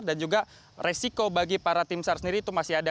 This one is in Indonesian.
dan juga resiko bagi para tim sar sendiri itu masih ada